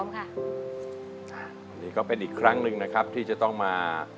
นี่ก็เป็นอีกครั้งหนึ่งนะครับที่จะต้องมา